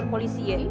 umi sama abalu